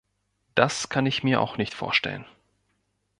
Das kann ich mir auch nicht vorstellen.